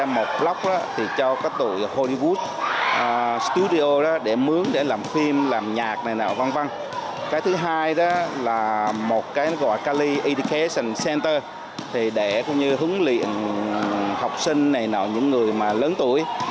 một cái gọi cali education center thì để hướng luyện học sinh này những người lớn tuổi